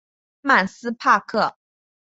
曼斯帕克。